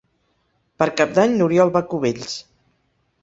Per Cap d'Any n'Oriol va a Cubells.